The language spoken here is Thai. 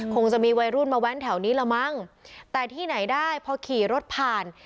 คงจะมีวัยรุ่นมาแว้นแถวนี้ละมั้งแต่ที่ไหนได้พอขี่รถผ่าน